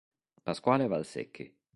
Pasquale Valsecchi